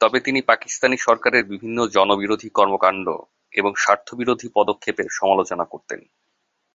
তবে তিনি পাকিস্তানি সরকারের বিভিন্ন জনবিরোধী কর্মকাণ্ড এবং স্বার্থবিরোধী পদক্ষেপের সমালোচনা করতেন।